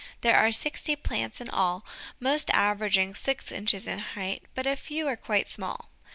There are sixty plants in all, mostly averaging six inches in height, but a few are quite small.